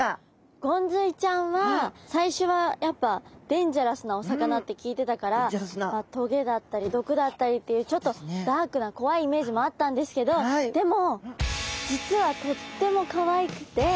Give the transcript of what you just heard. ゴンズイちゃんは最初はやっぱデンジャラスなお魚って聞いてたから棘だったり毒だったりっていうちょっとダークな怖いイメージもあったんですけどでも実はとってもかわいくてすごく好きになりました。